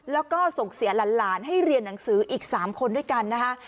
แล้วก็ส่งเสียหลานให้เรียนหนังสืออีก๓คนด้วยกันนะคะ